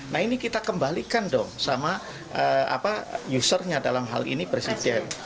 nah ini kita kembalikan dong sama usernya dalam hal ini presiden